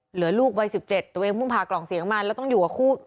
เหลือลูกวัย๑๗ตัวเองเพิ่งผ่ากล่องเสียงมาแล้วต้องอยู่กับคู่